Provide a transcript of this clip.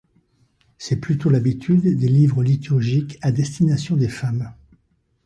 C'est plutôt l'habitude des livres liturgiques à destination des femmes.